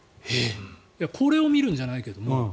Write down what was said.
これを見るんじゃないけども。